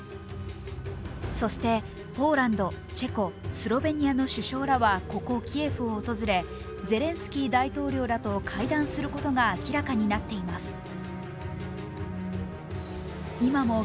そしてポーランド、チェコ、スロベニアの首相らはここキエフを訪れ、ゼレンスキー大統領らと会談することが明らかになっています。